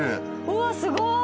うわっすごい。